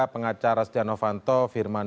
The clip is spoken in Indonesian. pengacara stiano fanto firman